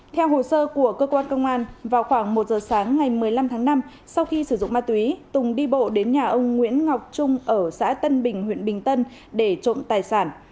theo hồ sơ của cơ quan công an vào khoảng một giờ sáng ngày một mươi năm tháng năm sau khi sử dụng ma túy tùng đi bộ đến nhà ông nguyễn ngọc trung ở xã tân bình huyện bình tân để trộm tài sản